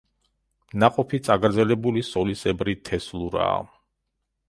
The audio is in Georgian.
ნაყოფი წაგრძელებული სოლისებრი თესლურაა.